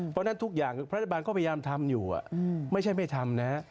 เพราะฉะนั้นทุกอย่างรัฐบาลก็พยายามทำอยู่ไม่ใช่ไม่ทำนะ